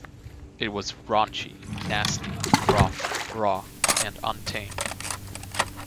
It was raunchy, nasty, rough, raw, and untamed.